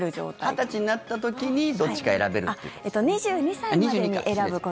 ２０歳になった時にどっちか選べるという形？